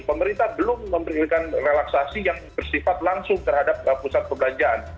pemerintah belum memberikan relaksasi yang bersifat langsung terhadap pusat perbelanjaan